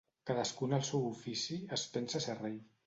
Cadascú en el seu ofici es pensa ser rei.